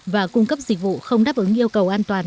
và cung cấp dịch vụ không đáp ứng yêu cầu an toàn